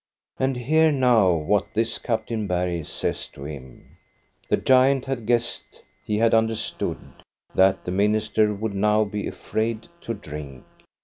" And hear now what this Captain Bergh says to him ! The giant had guessed, he had understood, that the minister would now be afraid to drink.